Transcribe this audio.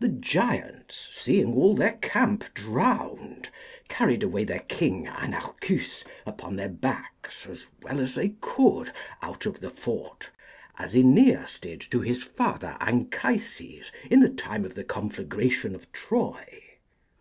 The giants, seeing all their camp drowned, carried away their king Anarchus upon their backs as well as they could out of the fort, as Aeneas did to his father Anchises, in the time of the conflagration of Troy.